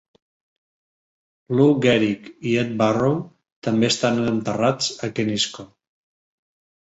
Lou Gehrig i Ed Barrow també estan enterrats a Kensico.